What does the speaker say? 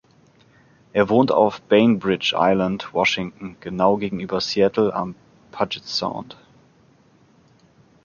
Er wohnt auf Bainbridge Island, Washington, genau gegenüber Seattle am Puget Sound.